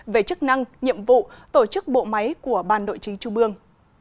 về chức năng nhiệm vụ tổ chức bộ máy của ban đội chính trung mương